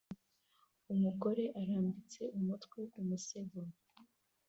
Umugore arambitse umutwe ku musego